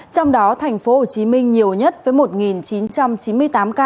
trong đó thành phố hồ chí minh nhiều nhất với một chín trăm chín mươi tám ca